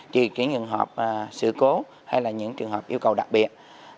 chỉ kể những hợp sự cố hay là những trường hợp yêu cầu đặc biệt